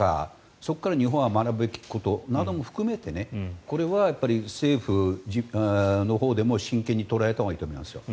そこから日本が学ぶべきことなども含めてこれは政府のほうでも真剣に捉えたほうがいいと思いますよ。